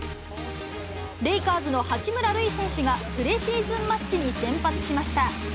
レイカーズの八村塁選手がプレシーズンマッチに先発しました。